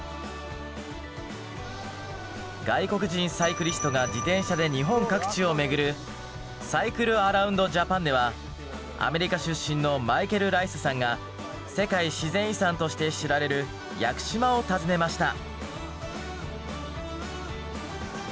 外国人サイクリストが自転車で日本各地を巡るアメリカ出身のマイケル・ライスさんが世界自然遺産として知られる屋久島を訪ねました。